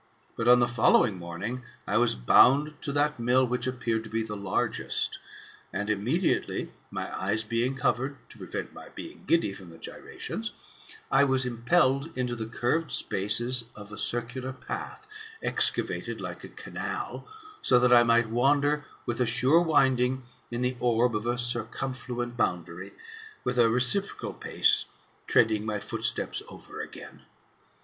But, on the following morning, I was bound to that mill which appeared to be the largest, and, immediately, my eyes being covered [to prevent my being giddy from the gyrations], I was impelled into the curved spaces of a circular path, excavated like a canal, so that I might wander, with a sure winding, in the orb of a circumfluent boundary, with a reciprocal pace, treading my footsteps over again.